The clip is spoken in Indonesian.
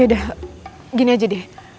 yaudah gini aja deh